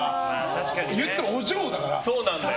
言ってもお嬢だから。